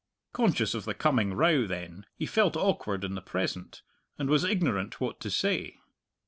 Conscious of the coming row, then, he felt awkward in the present, and was ignorant what to say.